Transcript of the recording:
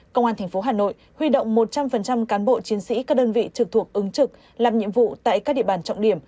công an tp hà nội huy động một trăm linh cán bộ chiến sĩ các đơn vị trực thuộc ứng trực làm nhiệm vụ tại các địa bàn trọng điểm